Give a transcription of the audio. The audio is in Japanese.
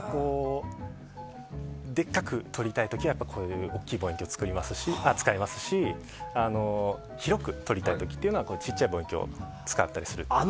でっかく撮りたい時は大きい望遠鏡を使いますし広く撮りたい時は小さい望遠鏡を使ったりします。